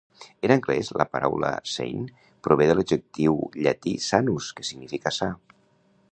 En anglès, la paraula "sane" prové de l'adjectiu llatí "sanus", que significa "sa".